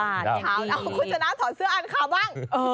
คุณฉะนั้นถอดเสื้ออ่านข่าวบ้าง